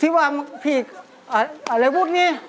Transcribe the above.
ว่าพี่อะไรวุฒินี่